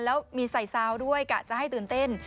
แล้วมีใส่ซาวด้วยกะจะให้ตื่นเต้น